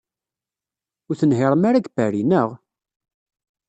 Ur tenhiṛem ara deg Paris, naɣ?